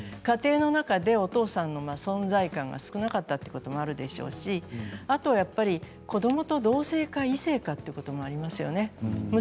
家庭の中でお父さんが存在感が少なかったということもあるでしょうしあとは、やっぱり子どもと同性か異性か、ということもあります。